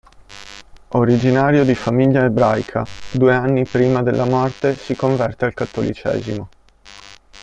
Originario di famiglia ebraica, due anni prima della morte si converte al cattolicesimo.